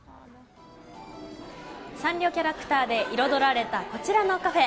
サンリオキャラクターで彩られた、こちらのカフェ。